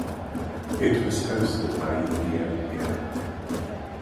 It was hosted by Ethiopia.